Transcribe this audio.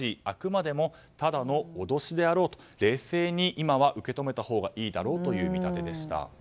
あくまでもただの脅しであろうと冷静に、今は受け止めたほうがいいだろうという見立てでした。